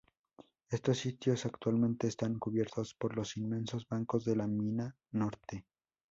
Estos sitios actualmente están cubiertos por los inmensos bancos de la mina norte.